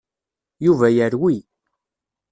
Yuba yerwi.